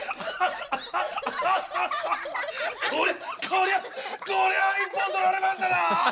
こりゃこりゃこりゃ一本取られましたな！